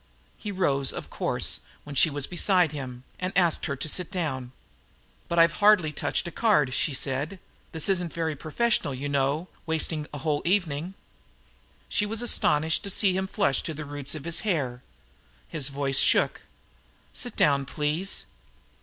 He rose, of course, when she was beside him, and asked her to sit down. "But I've hardly touched a card," she said. "This isn't very professional, you know, wasting a whole evening." She was astonished to see him flush to the roots of his hair. His voice shook. "Sit down, please."